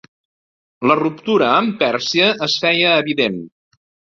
La ruptura amb Pèrsia es feia evident.